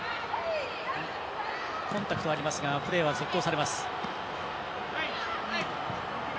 コンタクトありますがプレーは続行。